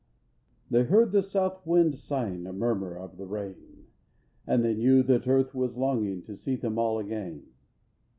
They heard the South wind sighing A murmur of the rain; And they knew that Earth was longing To see them all again.